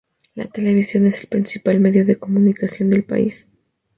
La televisión es el principal medio de comunicación del país.